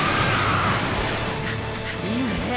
いいね！！